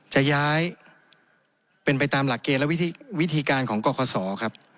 จะย้ายเป็นไปตามหลักเกณฑ์และวิธีการของกรคศครับ